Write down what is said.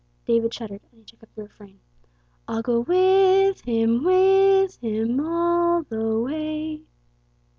David shuddered, and he took up the refrain: "I'll go with Him, with Him, all the way."